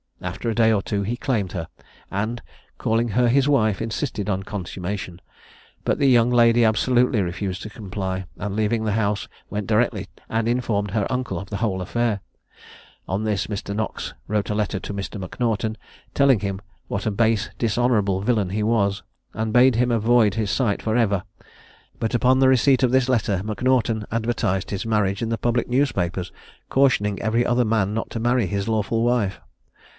After a day or two he claimed her, and, calling her his wife, insisted on consummation; but the young lady absolutely refused to comply, and leaving the house, went directly and informed her uncle of the whole affair. On this Mr. Knox wrote a letter to M'Naughton, telling him what a base dishonourable villain he was, and bade him avoid his sight for ever; but upon the receipt of this letter M'Naughton advertised his marriage in the public newspapers, cautioning every other man not to marry his lawful wife.